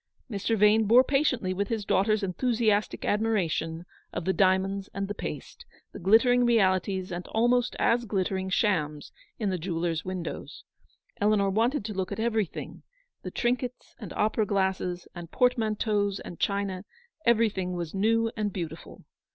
Mr. Yane bore patiently with his daughter's enthusiastic admiration of the diamonds and the paste, the glittering realities and almost as glitter ing shams in the jewellers' windows. Eleanor wanted to look at everything, the trinkets, and opera glasses, and portmanteaus, and china, — everything was new and beautiful.